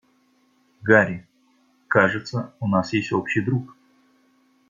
Гарри, кажется, у нас есть общий друг.